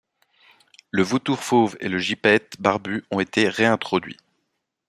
Le Vautour fauve et le Gypaète barbu ont été réintroduits.